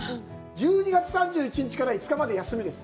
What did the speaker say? １２月３１日から５日まで休みです。